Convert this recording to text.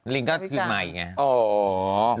ลิงก็คือใหม่ไง